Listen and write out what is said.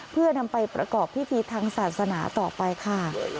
เพื่อนำไปประกอบพิธีทางศาสนาต่อไปค่ะ